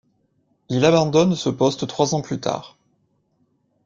Il abandonne ce poste trois ans plus tard.